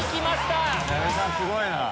すごいな。